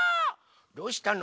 どうしたの？